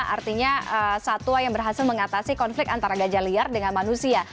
artinya satwa yang berhasil mengatasi konflik antara gajah liar dengan manusia